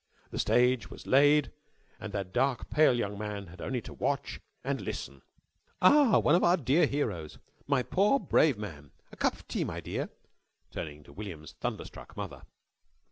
The stage was laid and that dark, pale young man had only to watch and listen. "Ah, one of our dear heroes! My poor, brave man! A cup of tea, my dear," turning to William's thunderstruck mother.